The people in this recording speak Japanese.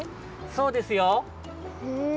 そうですよ。へえ。